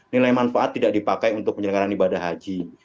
nilai manfaat tidak dipakai untuk penyelenggaran ibadah haji